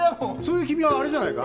そういう君はあれじゃないか？